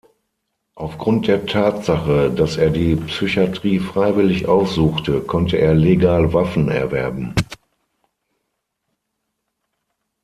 Aufgrund der Tatsache, dass er die Psychiatrie freiwillig aufsuchte, konnte er legal Waffen erwerben.